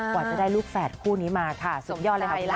กว่าจะได้ลูกแฝดคู่นี้มาค่ะสมยอดเลยครับคุณแม่